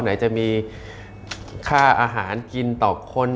ไหนจะมีค่าอาหารกินต่อคน